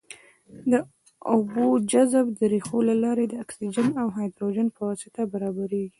د اوبو جذب د ریښو له لارې د اکسیجن او هایدروجن په واسطه برابریږي.